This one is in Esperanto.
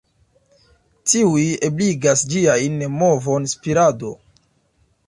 Tiuj ebligas ĝiajn movon, spirado.